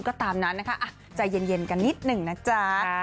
ก็ตามนั้นนะคะใจเย็นกันนิดหนึ่งนะจ๊ะ